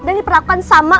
dan diperlakukan sama